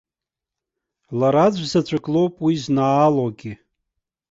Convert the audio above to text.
Лара аӡәзаҵәык лоуп уи знаалогьы.